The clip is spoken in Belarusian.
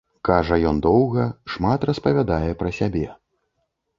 Кажа ён доўга, шмат распавядае пра сябе.